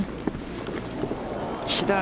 左。